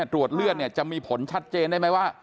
ตรวจเลือดจะมีผลชัดเจนได้ไหมว่า